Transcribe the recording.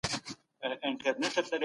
موږ په خپلو غوښتنو کي بیا تېروتنه وکړه.